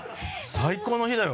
最高の日だよ。